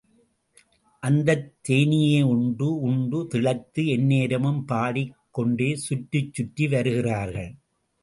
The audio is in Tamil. அந்தத் தேனையே உண்டு உண்டு, திளைத்து எந்நேரமும் பாடிக் கொண்டே சுற்றிச் சுற்றி வருகிறார்கள்.